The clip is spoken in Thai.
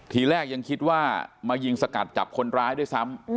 ทีแรกยังคิดว่ามายิงสกัดจับคนร้ายด้วยซ้ำ